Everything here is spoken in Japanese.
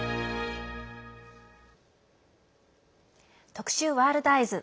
特集「ワールドＥＹＥＳ」。